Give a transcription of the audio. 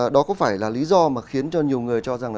đó có phải là lý do mà khiến cho nhiều người cho rằng là